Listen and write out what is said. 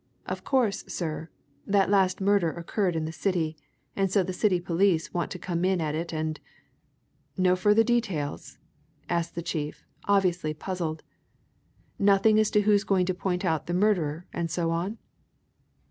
Of course, sir, that last murder occurred in the City, and so the City police want to come in at it, and " "No further details?" asked the chief, obviously puzzled. "Nothing as to who's going to point out the murderer, and so on?"